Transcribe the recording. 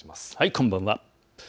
こんばんは。